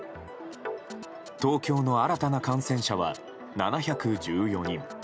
東京の新たな感染者は７１４人。